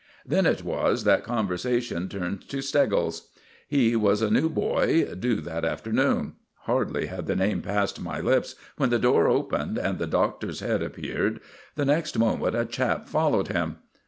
Then it was that conversation turned on Steggles. He was a new boy, due that afternoon. Hardly had the name passed my lips when the door opened, and the Doctor's head appeared. The next moment a chap followed him.